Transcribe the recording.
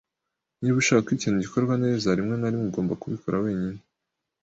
Niba ushaka ko ikintu gikorwa neza, rimwe na rimwe ugomba kubikora wenyine.